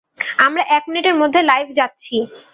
আমরা এক মিনিটের মধ্যে লাইভ যাচ্ছি।